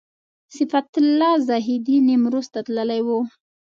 صفت الله زاهدي نیمروز ته تللی و.